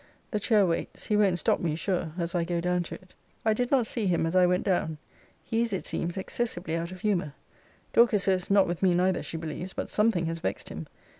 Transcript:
The chair waits. He won't stop me, sure, as I go down to it. I did not see him as I went down. He is, it seems, excessively out of humour. Dorcas says, not with me neither, she believes: but something has vexed him.